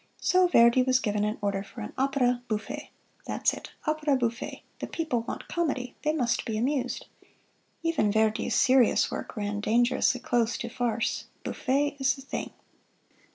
So Verdi was given an order for an opera bouffe. That's it! Opera bouffe! the people want comedy they must be amused. Even Verdi's serious work ran dangerously close to farce bouffe is the thing!